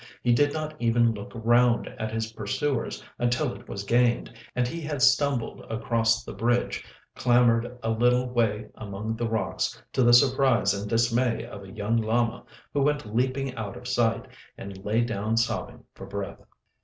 He did not even look round at his pursuers until it was gained, and he had stumbled across the bridge, clambered a little way among the rocks, to the surprise and dismay of a young llama, who went leaping out of sight, and lay down sobbing for breath.